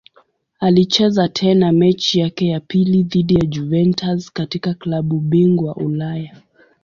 Alicheza tena mechi yake ya pili dhidi ya Juventus katika klabu bingwa Ulaya.